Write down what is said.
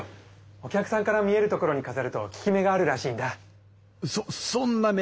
お客さんから見えるところにかざると効き目があるらしいんだ。